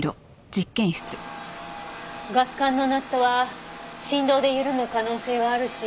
ガス管のナットは振動で緩む可能性はあるし